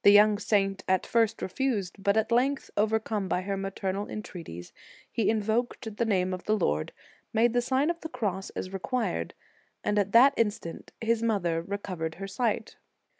163 young saint at first refused, but at length overcome by her maternal entreaties, he in voked the name of the Lord, made the Sign of the Cross as required, and at that instant his mother recovered her sight.